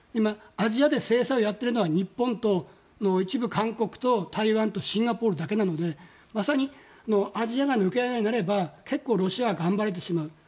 アジアで制裁をやっているのは日本と韓国とシンガポールだけなのでまさに、アジアが抜け穴になれば結構ロシアは頑張れてしまう。